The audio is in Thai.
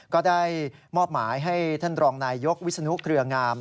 ก็ได้มอบหมายให้ท่านรองนายยกวิศนุเครืองาม